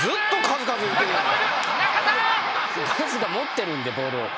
カズが持ってるんでボールを。